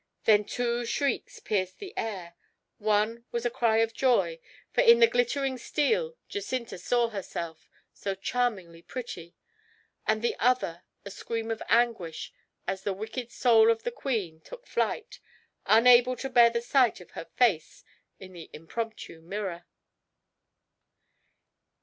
Then two shrieks pierced the air. One was a cry of joy, for in the glittering steel Jacinta saw herself, so charmingly pretty and the other a scream of anguish, as the wicked soul of the queen took flight, unable to bear the sight of her face in the impromptu mirror.